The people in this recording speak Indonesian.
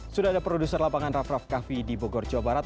sudah ada produser lapangan rav rav coffee di bogor jawa barat